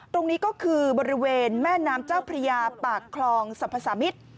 ตรงนี้ก็คือบริเวณแม่น้ำเจ้าพระยาปากคลองสรรพสามิตร